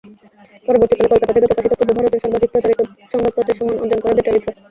পরবর্তীকালে কলকাতা থেকে প্রকাশিত পূর্ব ভারতের সর্বাধিক প্রচারিত সংবাদপত্রের সম্মান অর্জন করে "দ্য টেলিগ্রাফ"।